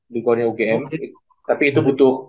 di goernya ugm tapi itu butuh